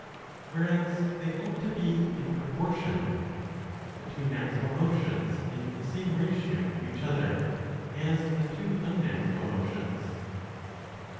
Whereas they ought to be in proportion, the two natural motions in the same ratio to each other * D as the two unnatural motions.